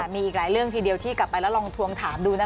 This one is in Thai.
มีอีกหลายเรื่องทีเดียวที่กลับไปแล้วลองทวงถามดูนะคะ